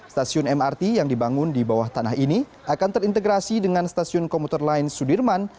stasiun mrt yang dibangun di bawah tanah ini akan terintegrasi dengan stasiun komuter lain sudirman